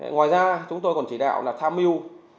ngoài ra chúng tôi còn chỉ đạo là tham mưu